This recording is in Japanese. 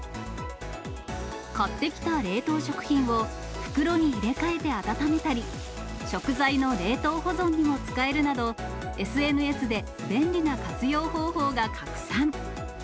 買ってきた冷凍食品を袋に入れ替えて温めたり、食材の冷凍保存にも使えるなど、ＳＮＳで便利な活用方法が拡散。